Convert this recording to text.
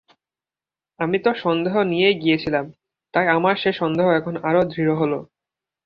আমি তো সন্দেহ নিয়েই গিয়েছিলাম, তাই আমার সে সন্দেহ এখন আরো দৃঢ় হল।